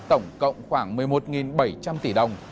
tổng cộng khoảng một mươi một bảy trăm linh tỷ đồng